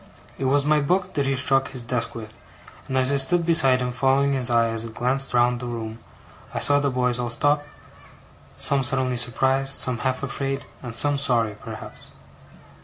It was my book that he struck his desk with; and as I stood beside him, following his eye as it glanced round the room, I saw the boys all stop, some suddenly surprised, some half afraid, and some sorry perhaps.